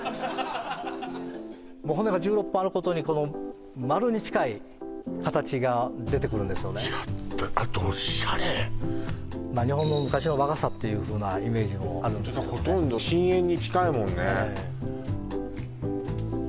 骨が１６本あることで丸に近い形が出てくるんですよね日本の昔の和傘っていうイメージもあるんですけどねほとんど真円に近いもんね